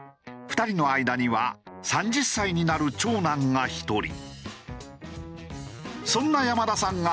２人の間には３０歳になる長男が１人。